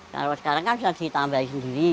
kalau sekarang kan sudah ditambahin sendiri